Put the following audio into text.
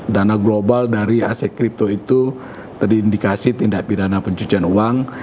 dana global dari aset kripto itu terindikasi tindak pidana pencucian uang